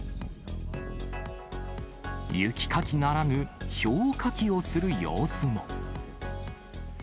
雪かきならぬ、ひょうかきをする様子も。